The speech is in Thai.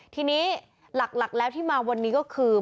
ทีนี้หลักแล้วที่มาวันนี้ก็คือ